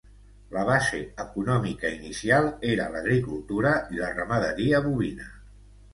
La base econòmica inicial era l'agricultura i la ramaderia bovina.